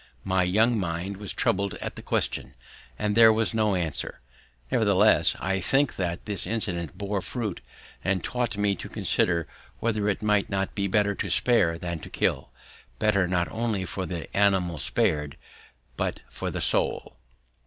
My young mind was troubled at the question, and there was no answer. Nevertheless, I think that this incident bore fruit later, and taught me to consider whether it might not be better to spare than to kill; better not only for the animal spared, but for the soul.